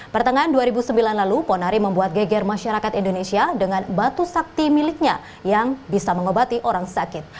pertengahan dua ribu sembilan lalu ponari membuat geger masyarakat indonesia dengan batu sakti miliknya yang bisa mengobati orang sakit